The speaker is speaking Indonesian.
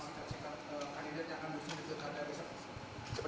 sebenarnya kami sudah saksikan